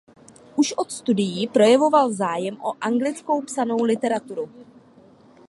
Už od studií projevoval zájem o anglicky psanou literaturu.